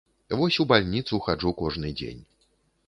Вось у бальніцу хаджу кожны дзень.